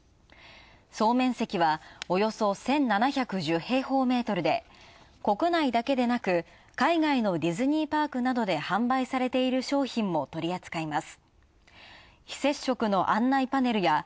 総面積は、およそ１７１０平方メートルで国内だけでなく、海外のディズニーパークなどで販売されている商品も取り扱います。